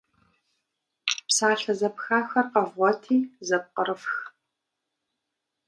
Псалъэ зэпхахэр къэвгъуэти зэпкърыфх.